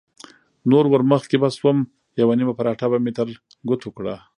نو ورمخکې به شوم، یوه نیمه پراټه به مې تر ګوتو کړه.